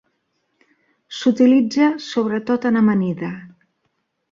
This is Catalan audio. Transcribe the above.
S'utilitza sobretot en amanida.